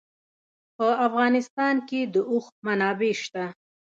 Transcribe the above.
په افغانستان کې د اوښ منابع شته.